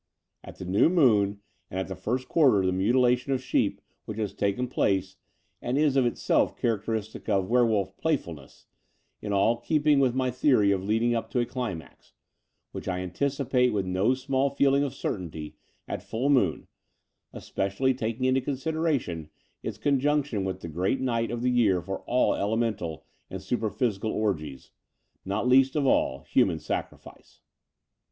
At the new moon and at the first quarter the mutilation of sheep which has taken place, and is of itself character istic of werewolf * playfulness/ is all in keeping with my theory of leading up to a climax, which I anticipate with no small feeling of certainty at full moon, especially taking into consideration its con junction with the great night of the year for aU elemental and superphydcal orgies — ^not least of alli human sacrifice.